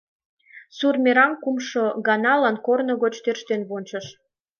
Сур мераҥ кумшо ганалан корно гоч тӧрштен вончыш.